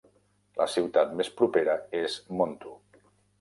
La ciutat més propera és monto.